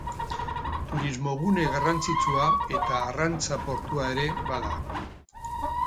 Turismogune garrantzitsua eta arrantza portua ere bada.